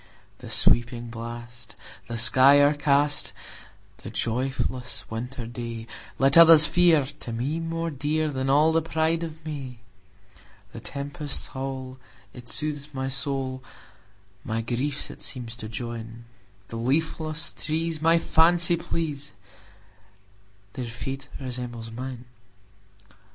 "The sweeping blast, the sky o'ercast,"The joyless winter dayLet others fear, to me more dearThan all the pride of May:The tempest's howl, it soothes my soul, My griefs it seems to join; The leafless trees my fancy please, Their fate resembles mine!